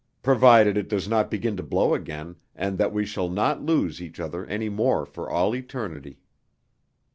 Provided it does not begin to blow again and that we shall not lose each other any more for all eternity!...